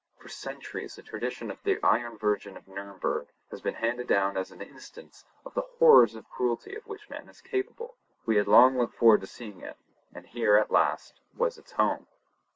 For centuries the tradition of the Iron Virgin of Nurnberg has been handed down as an instance of the horrors of cruelty of which man is capable; we had long looked forward to seeing it; and here at last was its home.